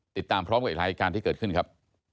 ติดตามพร้อมกับอีกหลายเหตุการณ์ที่เกิดขึ้นครับ